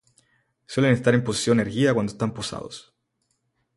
Suelen estar en posición erguida cuando están posados.